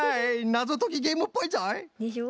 なぞときゲームっぽいぞい。でしょ？